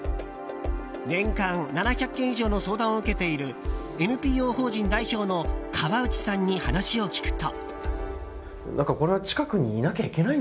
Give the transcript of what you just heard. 年間７００件以上の相談を受けているＮＰＯ法人代表の川内さんに話を聞くと。